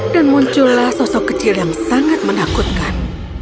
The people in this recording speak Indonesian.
dan muncullah sosok kecil yang sangat menakutkan